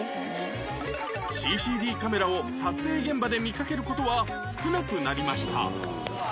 ＣＣＤ カメラを撮影現場で見かける事は少なくなりました